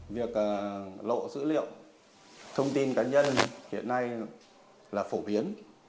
việc lộ dữ liệu thông tin cá nhân hiện nay là phổ biến